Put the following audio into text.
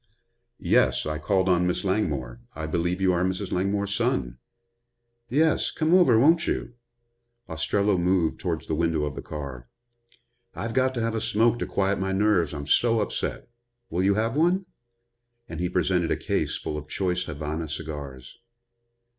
"Yes, I called on Miss Langmore. I believe you are Mrs. Langmore's son." "Yes. Come over, won't you?" Ostrello moved towards the window of the car. "I've got to have a smoke to quiet my nerves, I'm so upset. Will you have one?" And he presented a case full of choice Havana cigars.